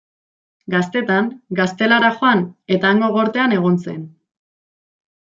Gaztetan Gaztelara joan eta hango gortean egon zen.